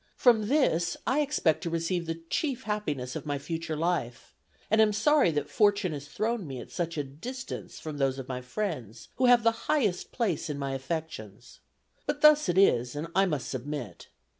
From this I expect to receive the chief happiness of my future life; and am sorry that fortune has thrown me at such a distance from those of my friends who have the highest place in my affections. But thus it is, and I must submit.